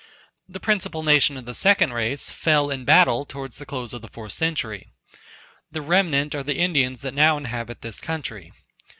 The principal nation of the second race fell in battle towards the close of the fourth century. The remnant are the Indians that now inhabit this country.